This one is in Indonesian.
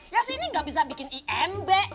ya sih ini gak bisa bikin imb